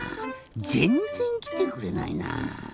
ぜんっぜんきてくれないなぁ。